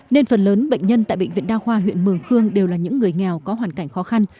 nên phần lớn bệnh nhân tại bệnh viện đa khoa huyện mường khương đều là những người nghèo có hoàn cảnh khó khăn